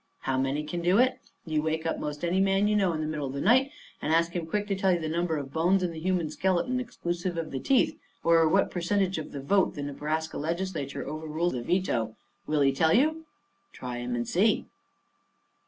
How many can do it? You wake up 'most any man you know in the middle of the night, and ask him quick to tell you the number of bones in the human skeleton exclusive of the teeth, or what percentage of the vote of the Nebraska Legislature overrules a veto. Will he tell you? Try him and see.